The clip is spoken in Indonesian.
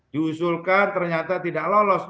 diusulkan ternyata tidak lolos